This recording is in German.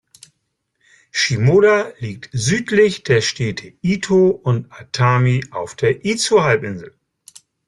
Shimoda liegt südlich der Städte Itō und Atami auf der Izu-Halbinsel.